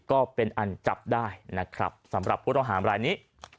ก็เป็นอันจับได้นะครับสำหรับผู้ต้องหามรายนี้